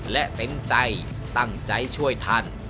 และเต็มใจตั้งใจช่วยท่าน